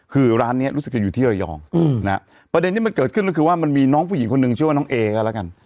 คือร้านนี้รู้สึกจะอยู่ที่ระยองประเด็นที่มันเกิดขึ้นก็คือว่ามันมีน้องผู้หญิงคนหนึ่งชื่อว่าน้องเอก็แล้วกัน